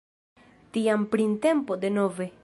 Tiam printempo denove.